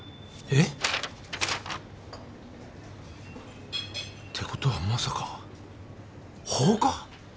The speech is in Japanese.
えっ？ってことはまさか放火！？